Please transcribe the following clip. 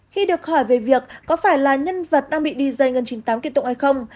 khi được hỏi về việc có phải là nhân vật đang bị dj ngân chín mươi tám kiệt tụng hay không